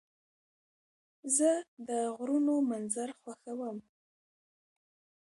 زه د غرونو منظر خوښوم.